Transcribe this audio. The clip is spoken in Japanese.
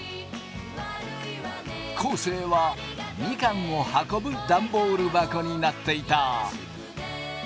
昴生はみかんを運ぶダンボール箱になっていた。